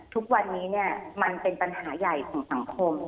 ทุกวันนี้เนี่ยมันเป็นปัญหาใหญ่ของสังคม